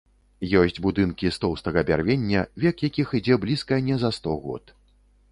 Ёсць будынкі з тоўстага бярвення, век якіх ідзе блізка не за сто год.